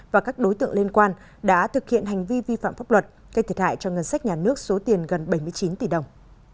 và các đối tượng liên quan đã thực hiện hành vi vi phạm pháp luật gây thiệt hại cho ngân sách nhà nước số tiền gần bảy mươi chín tỷ đồng